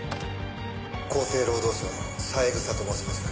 厚生労働省の三枝と申します。